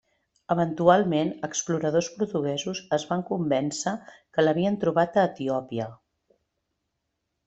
Eventualment, exploradors portuguesos es van convèncer que l'havien trobat a Etiòpia.